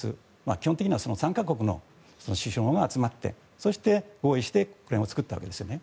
基本的にはその３か国の首相が集まってそして、合意してこれを作ったわけですよね。